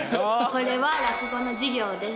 これは落語の授業です。